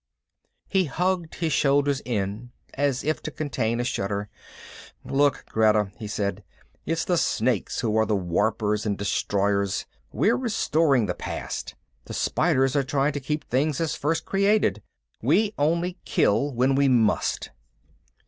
He hugged his shoulders in, as if to contain a shudder. "Look, Greta," he said, "it's the Snakes who are the warpers and destroyers. We're restoring the past. The Spiders are trying to keep things as first created. We only kill when we must."